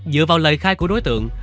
dựa vào lời khai của đối tượng